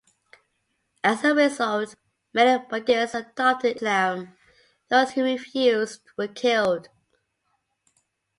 As a result, many Bulgarians adopted Islam; those who refused were killed.